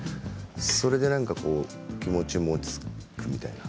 それで何か気持ちも落ち着くみたいな。